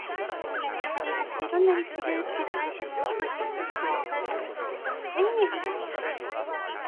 どんなに明るい場所で、どんなに近よってながめても、少しも変装とはわからない、まるでちがった人に見えるのだそうです。